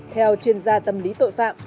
theo chuyên gia tâm lý tội phạm